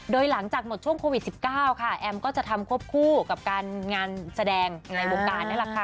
โดยหลังจากหมดช่วงโควิด๑๙ค่ะแอมก็จะทำควบคู่กับการงานแสดงในวงการนั่นแหละค่ะ